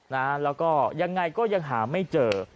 แล้วก็ยังไงก็ยังหาไม่เจอ